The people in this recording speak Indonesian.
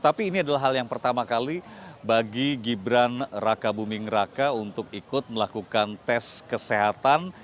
tapi ini adalah hal yang pertama kali bagi gibran raka buming raka untuk ikut melakukan tes kesehatan